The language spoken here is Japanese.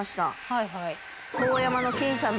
はいはい。